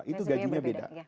itu gajinya beda